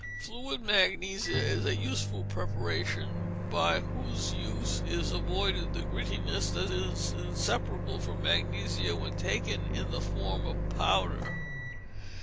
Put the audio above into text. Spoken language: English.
Fluid Magnesia is a useful preparation by whose use is avoided the grittiness that is inseparable from magnesia when taken in the form of powder.